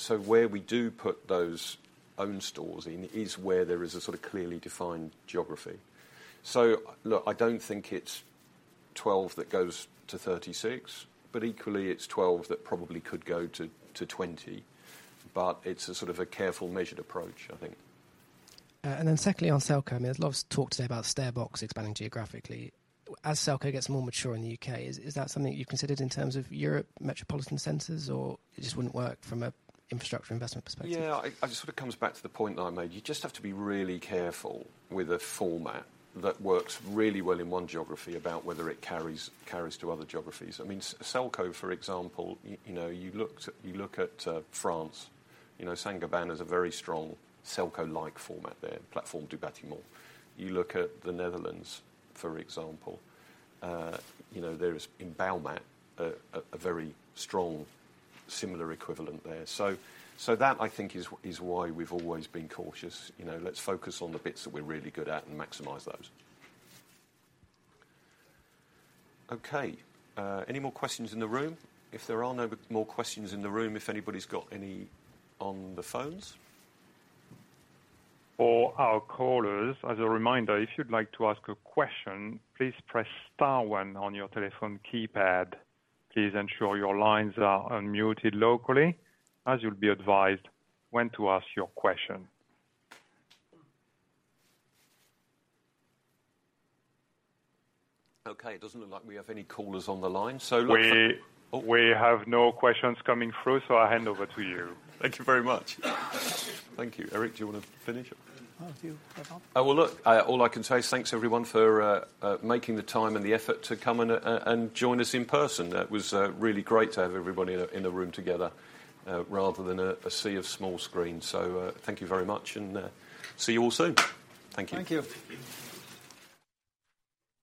Where we do put those own stores in is where there is a sort of clearly defined geography. Look, I don't think it's 12 that goes to 36, but equally, it's 12 that probably could go to 20. It's a sort of a careful measured approach, I think. Secondly on Selco. I mean, there's a lot of talk today about StairBox expanding geographically. As Selco gets more mature in the U.K., is that something you considered in terms of Europe metropolitan centers, or it just wouldn't work from a infrastructure investment perspective? Yeah. I just sort of comes back to the point that I made. You just have to be really careful with a format that works really well in one geography about whether it carries to other geographies. I mean, Selco, for example, you know, you look at France, you know, Saint-Gobain has a very strong Selco-like format there, Plateforme du Bâtiment. You look at the Netherlands, for example, you know, there is in Bouwmaat a very strong similar equivalent there. That, I think, is why we've always been cautious. You know, let's focus on the bits that we're really good at and maximize those. Okay. Any more questions in the room? If there are no more questions in the room, if anybody's got any on the phones? For our callers, as a reminder, if you'd like to ask a question, please press star one on your telephone keypad. Please ensure your lines are unmuted locally as you'll be advised when to ask your question. Okay. It doesn't look like we have any callers on the line. We- Oh. We have no questions coming through, so I hand over to you. Thank you very much. Thank you. Eric, do you wanna finish or? No, you go on. Well, look, all I can say is thanks everyone for making the time and the effort to come and join us in person. That was really great to have everybody in a room together rather than a sea of small screens. Thank you very much, and see you all soon. Thank you. Thank you.